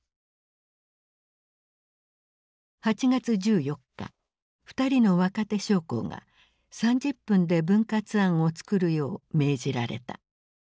８月１４日２人の若手将校が３０分で分割案を作るよう命じられた。